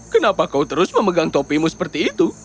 kenapa kau terus memegang topimu seperti itu